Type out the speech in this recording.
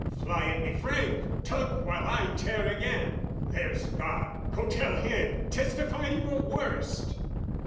Fly at me frank, tug while I tear again! There's God, go tell Him, testify your worst!